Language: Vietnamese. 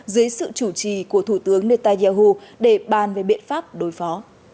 dưới sự chủ trì của thủ tướng netanyahu để bàn về biện pháp đối phó